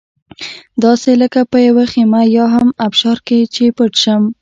داسې لکه په یوه خېمه یا هم ابشار کې چې پټ شم.